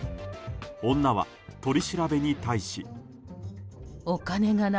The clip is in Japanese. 女は取り調べに対し。